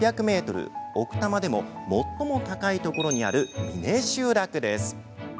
奥多摩でも最も高いところにある峰集落です。